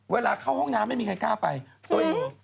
เวลาเข้าห้องน้ำไม่มีใครกล้าไปตัวเอง